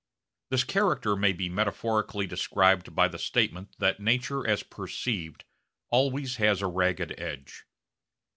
This character may be metaphorically described by the statement that nature as perceived always has a ragged edge.